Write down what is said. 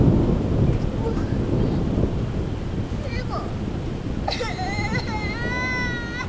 でもでも。